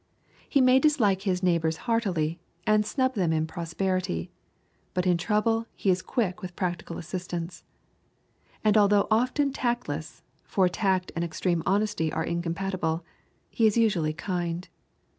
He may dislike his neighbors heartily, and snub them in prosperity, but in trouble he is quick with practical assistance. And although often tactless, for tact and extreme honesty are incompatible, he is usually kind.